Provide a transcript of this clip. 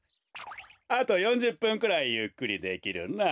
あと４０ぷんくらいゆっくりできるな。